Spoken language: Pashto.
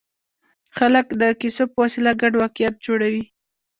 خلک د کیسو په وسیله ګډ واقعیت جوړوي.